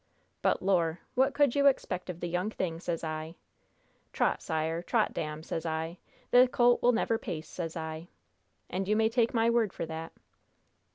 But, Lor'! what could you expect of the young thing, sez I? 'Trot sire, trot dam,' sez I, 'the colt will never pace,' sez I! And you may take my word for that."